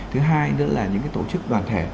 thứ hai nữa là những tổ chức đoàn thể